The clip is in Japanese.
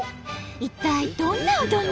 一体どんなうどんなの？